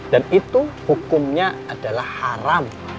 dan itu hukumnya adalah haram